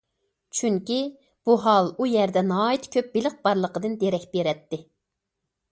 چۈنكى، بۇ ھال ئۇ يەردە ناھايىتى كۆپ بېلىق بارلىقىدىن دېرەك بېرەتتى.